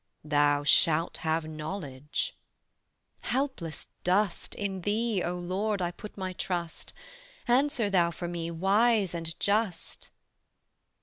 "Thou shalt have Knowledge." "Helpless dust, In Thee, O Lord, I put my trust: Answer Thou for me, Wise and Just."